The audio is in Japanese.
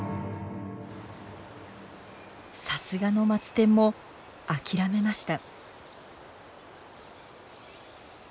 さすがのマツテンも諦めました。